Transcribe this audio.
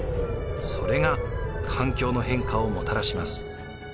それが環境の変化をもたらします。